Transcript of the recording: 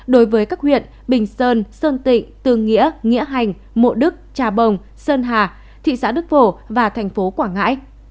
đối với các huyện bình sơn sơn tịnh tư nghĩa nghĩa hành mộ đức trà bồng sơn hà thị xã đức phổ và thành phố quảng ngãi